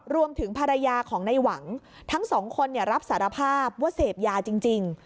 รวมถึงภรรยาของในหวังทั้งสองคนรับสารภาพว่าเสพยาจริง